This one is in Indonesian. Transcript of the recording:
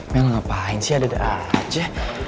mel ngapain sih ade ade aja